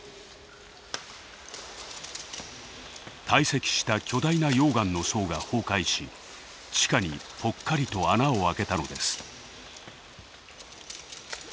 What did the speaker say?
堆積した巨大な溶岩の層が崩壊し地下にぽっかりと穴を開けたのです。